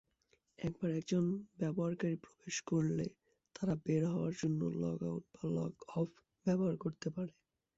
একবার একজন ব্যবহারকারী প্রবেশ করলে তারা বের হওয়ার জন্য লগ আউট বা লগ অফ ব্যবহার করতে পারে।